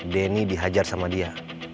denny dihajar sama dia